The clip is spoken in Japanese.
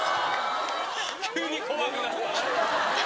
急に怖くなった。